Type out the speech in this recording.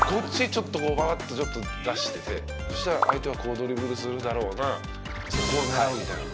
ちょっとババッとちょっと出しててそしたら相手はこうドリブルするだろうなそこを狙うみたいな？